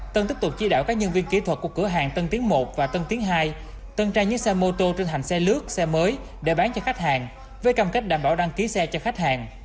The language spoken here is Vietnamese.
tân tiếp tục chỉ đạo các nhân viên kỹ thuật của cửa hàng tân tiến một và tân tiến hai tân tra những xe mô tô trên hành xe lướt xe mới để bán cho khách hàng với cam kết đảm bảo đăng ký xe cho khách hàng